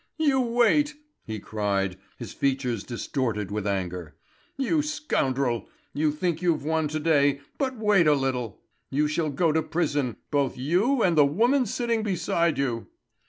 "You wait!" he cried, his features distorted with anger. "You scoundrel! You think you've won to day, but wait a little! You shall go to prison, both you and the woman sitting beside you!"